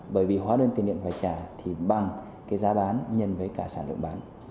bởi vì hóa đơn tiền điện phải trả thì bằng cái giá bán nhân với cả sản lượng bán